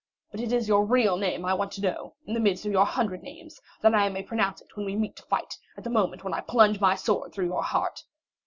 But it is your real name I want to know, in the midst of your hundred names, that I may pronounce it when we meet to fight, at the moment when I plunge my sword through your heart."